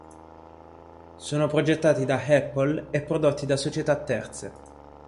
Sono progettati da Apple e prodotti da società terze.